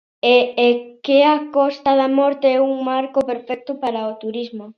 E é que a Costa da Morte é un marco perfecto para o turismo.